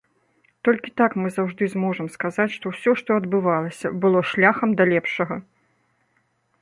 Толькі так мы заўжды зможам сказаць, што ўсё, што адбывалася, было шляхам да лепшага.